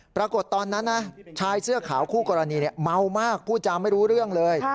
ปรากฏตอนนั้นนะชายเสื้อขาวคู่กรณีเมามากพูดจาไม่รู้เรื่องเลย